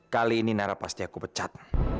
kali ini nara pasti aku pecat